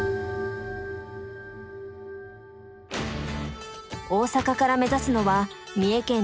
大阪から目指すのは三重県の伊勢神宮。